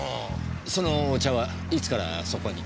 そのお茶はいつからそこに？